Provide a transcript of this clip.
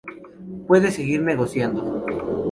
Puede seguir negociando.